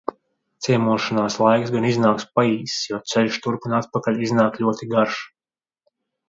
Ciemošanās laiks gan iznāk paīss, jo ceļš turp un atpakaļ iznāk ļoti garš.